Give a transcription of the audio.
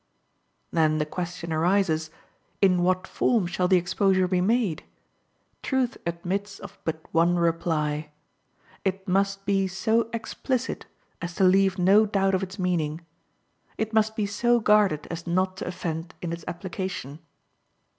Then the question arises, In what form shall the exposure be made? Truth admits of but one reply. It must be so explicit as to leave no doubt of its meaning; it must be so guarded as not to offend in its application.